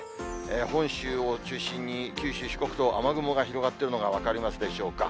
本州を中心に、九州、四国と雨雲が広がっているのが分かりますでしょうか。